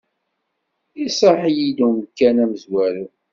Iṣaḥ-iyi-d umkan amezwaru.